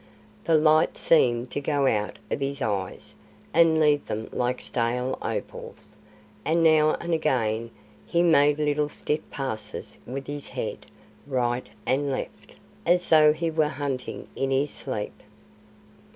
The light seemed to go out of his eyes and leave them like stale opals, and now and again he made little stiff passes with his head, right and left, as though he were hunting in his sleep.